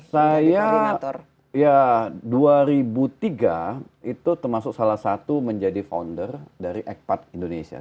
saya ya dua ribu tiga itu termasuk salah satu menjadi founder dari ekpat indonesia